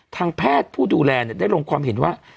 ทางแพทย์ผู้ดูแลได้ลงความเห็นว่า